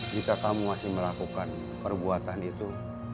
jika kamu masih melakukan perbuatan itu